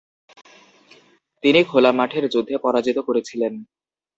তিনি খোলা মাঠের যুদ্ধে পরাজিত করেছিলেন।